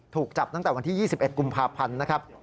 ถูกจับตั้งแต่วันที่๒๑กุมภาพันธ์นะครับ